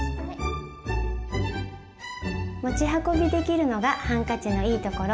持ち運びできるのがハンカチのいいところ。